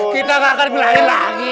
kita gak akan melahir lagi